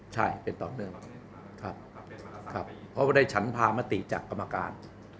ใช่เป็นต่อเนื่องครับเพราะว่าได้ฉันพามติจากกรรมการ